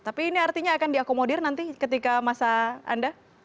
tapi ini artinya akan diakomodir nanti ketika masa anda